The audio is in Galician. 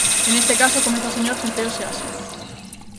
E, neste caso, comeza o señor Centeo Seaxe.